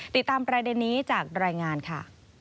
ติดตามประเด็นนี้จากรายงานค่ะ